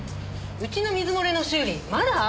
うちの水漏れの修理まだ？